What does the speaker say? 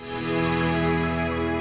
saudara kasih tulisan biasa